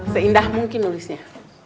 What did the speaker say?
seindah mungkin nulisnya